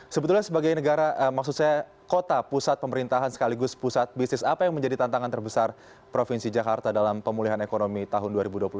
sebetulnya sebagai negara maksud saya kota pusat pemerintahan sekaligus pusat bisnis apa yang menjadi tantangan terbesar provinsi jakarta dalam pemulihan ekonomi tahun dua ribu dua puluh satu